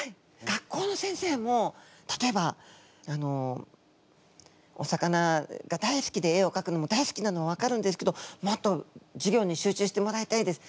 学校の先生も例えばあの「お魚が大好きで絵を描くのも大好きなのは分かるんですけどもっと授業に集中してもらいたいです。